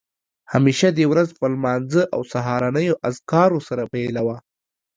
همېشه دې ورځ په لمانځه او سهارنیو اذکارو سره پیلوه